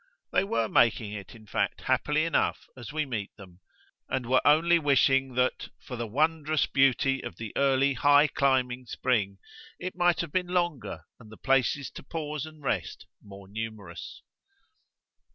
They were making it in fact happily enough as we meet them, and were only wishing that, for the wondrous beauty of the early high climbing spring, it might have been longer and the places to pause and rest more numerous.